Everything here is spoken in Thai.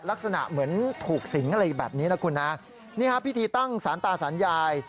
ลักษณะเหมือนถูกสิงอะไรแบบนี้นะคุณนะนี่ฮะพิธีตั้งสารตาสารยาย